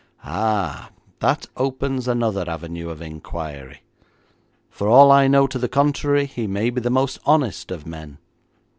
'Ah, that opens another avenue of enquiry. For all I know to the contrary, he may be the most honest of men.